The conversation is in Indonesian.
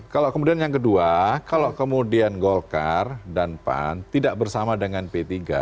kalau kemudian yang kedua kalau kemudian golkar dan pan tidak bersama dengan p tiga